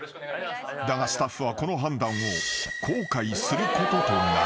［だがスタッフはこの判断を後悔することとなる］